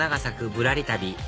ぶらり旅